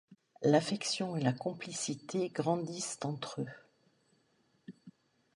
L'affection et la complicité grandissent entre eux.